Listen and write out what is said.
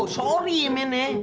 sorry ya men ya